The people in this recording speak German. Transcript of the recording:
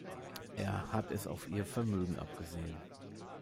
Er hat es auf ihr Vermögen abgesehen.